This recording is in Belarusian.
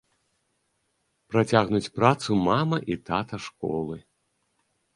Працягнуць працу мама- і тата-школы.